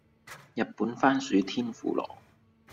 日本番薯天婦羅